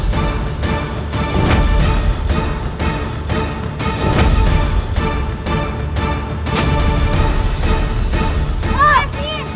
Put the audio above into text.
pak hasi pak hasi